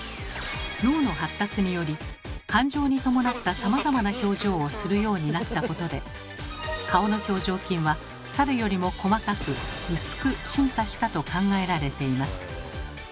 脳の発達により感情に伴ったさまざまな表情をするようになったことで顔の表情筋はサルよりも細かく薄く進化したと考えられています。